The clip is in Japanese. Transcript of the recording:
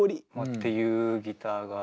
っていうギターが。